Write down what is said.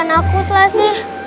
maafkan aku selasi